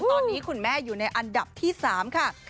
ตอนนี้คุณแม่อยู่ในอันดับที่๓ค่ะ